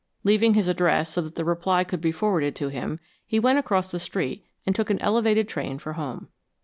Leaving his address so that the reply could be forwarded to him, he went across the street and took an elevated train for home.